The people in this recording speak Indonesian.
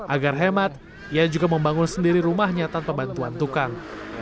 agar hemat ia juga membangun sendiri rumahnya tanpa bantuan tukang